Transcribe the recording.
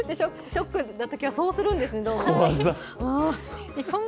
ショックなときはそうするんですね、どーもくん。